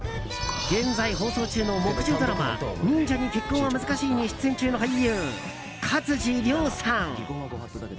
現在放送中の木１０ドラマ「忍者に結婚は難しい」に出演中の俳優・勝地涼さん。